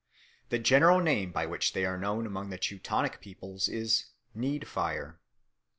The general name by which they are known among the Teutonic peoples is need fire.